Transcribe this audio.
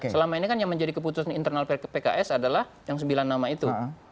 selama ini kan yang menjadi keputusan internal pks adalah yang sembilan nama itu